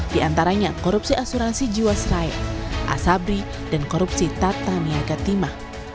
di antaranya korupsi asuransi jiwasraya asabri dan korupsi tata niaga timah